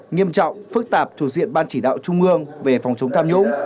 nghiêm trọng phức tạp thuộc diện ban chỉ đạo trung ương về phòng chống tham nhũng